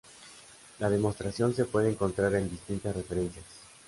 La demostración se puede encontrar en distintas referencias.